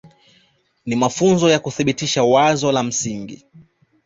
Ni mafunzo kwa kuthibitisha wazo msingi